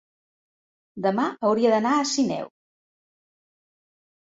Demà hauria d'anar a Sineu.